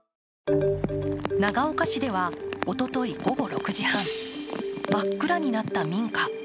長岡市ではおととい午後６時半、真っ暗になった民家。